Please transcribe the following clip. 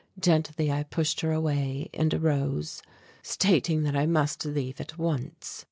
Gently I pushed her away and arose, stating that I must leave at once.